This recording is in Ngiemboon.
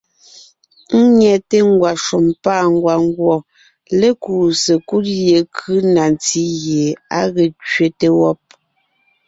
Ńnyɛte ngwàshùm pâ ngwàngùɔ lékuu sekúd yekʉ́ na ntí gie á ge kẅete wɔ́b.